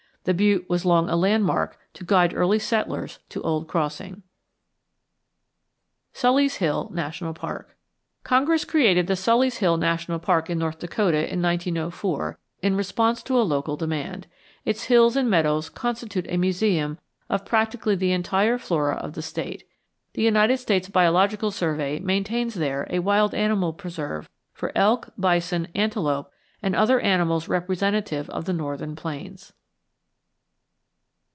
The butte was long a landmark to guide early settlers to Old Crossing. SULLY'S HILL NATIONAL PARK Congress created the Sully's Hill National Park in North Dakota in 1904 in response to a local demand. Its hills and meadows constitute a museum of practically the entire flora of the State. The United States Biological Survey maintains there a wild animal preserve for elk, bison, antelope, and other animals representative of the northern plains.